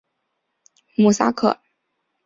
穆萨克。